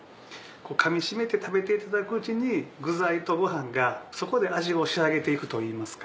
かみしめて食べていただくうちに具材とご飯がそこで味を仕上げていくといいますか。